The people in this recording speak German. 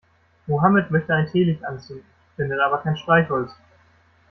Mohammed möchte ein Teelicht anzünden, findet aber kein Streichholz.